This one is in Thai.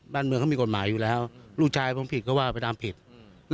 บ้านเมืองเขามีกฎหมายอยู่แล้วลูกชายผมผิดก็ว่าไปทำผิด